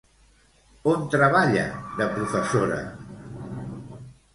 On treballa de professora?